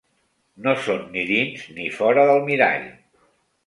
No són ni dins ni fora del mirall.